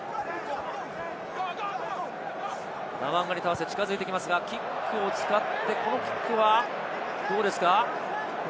ナワンガニタワセが近づいてきますがキックを使って、このキックはどうですか？